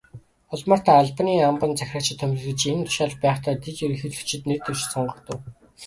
Улмаар та Албанийн амбан захирагчаар томилогдож, энэ тушаалд байхдаа дэд ерөнхийлөгчид нэр дэвшиж, сонгогдов.